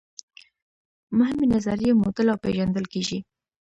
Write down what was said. مهمې نظریې موډل او پیژندل کیږي.